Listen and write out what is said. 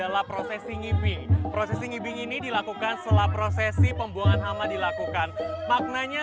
sampai jumpa di video selanjutnya